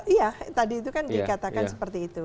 iya tadi itu kan dikatakan seperti itu